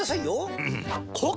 うん！